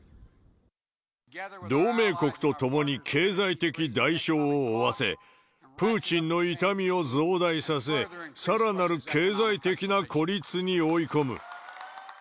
同盟国と共に経済的代償を負わせ、プーチンの痛みを増大させ、さらなる経済的な孤立に追い込む。